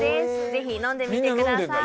ぜひ飲んでみてください